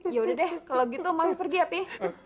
ya udah deh kalau gitu mami pergi ya pi